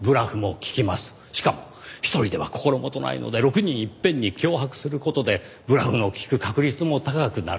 しかも１人では心もとないので６人いっぺんに脅迫する事でブラフの利く確率も高くなる。